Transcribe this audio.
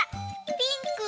ピンク！